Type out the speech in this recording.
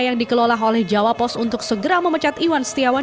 yang dikelola oleh jawa post untuk segera memecat iwan setiawan